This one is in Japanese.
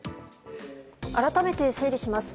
改めて整理します。